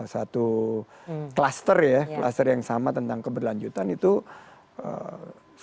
satu klaster ya klaster yang sama tentang keberlanjutan itu eee